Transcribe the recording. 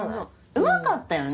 うまかったよね。